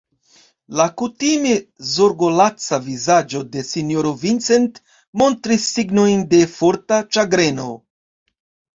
La kutime zorgolaca vizaĝo de sinjoro Vincent montris signojn de forta ĉagreno.